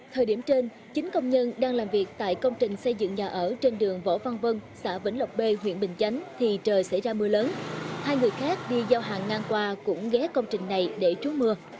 thời điểm trên chín công nhân đang làm việc tại công trình xây dựng nhà ở trên đường võ văn vân xã vĩnh lộc b huyện bình chánh thì trời xảy ra mưa lớn hai người khác đi giao hàng ngang qua cũng ghé công trình này để trú mưa